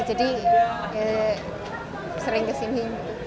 jadi sering kesini